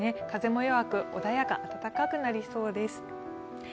風も弱く穏やか、暖かくなりそうです。